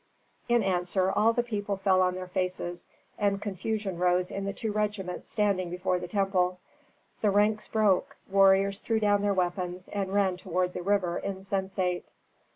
In answer all the people fell on their faces, and confusion rose in the two regiments standing before the temple. The ranks broke, warriors threw down their weapons and ran toward the river insensate.